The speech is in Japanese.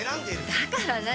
だから何？